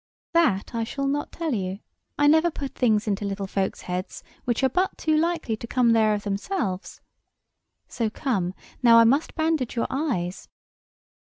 "That I shall not tell you. I never put things into little folks' heads which are but too likely to come there of themselves. So come—now I must bandage your eyes."